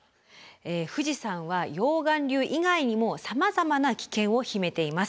富士山は溶岩流以外にもさまざまな危険を秘めています。